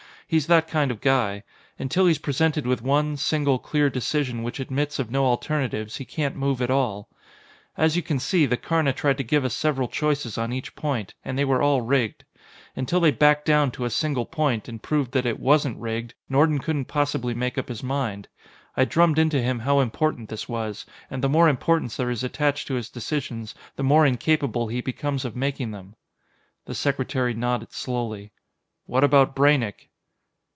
He's that kind of guy. Until he's presented with one, single, clear decision which admits of no alternatives, he can't move at all. "As you can see, the Karna tried to give us several choices on each point, and they were all rigged. Until they backed down to a single point and proved that it wasn't rigged, Nordon couldn't possibly make up his mind. I drummed into him how important this was, and the more importance there is attached to his decisions, the more incapable he becomes of making them." The Secretary nodded slowly. "What about Braynek?"